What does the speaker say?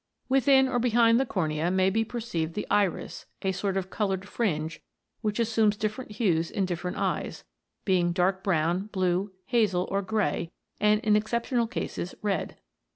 Within or behind the cornea may be perceived the iris, a sort of coloured fringe which assumes different hues in different eyes, being dark brown, blue, hazel, or grey, and, in exceptional cases, red.